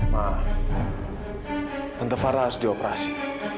ma tante farla harus dioperasi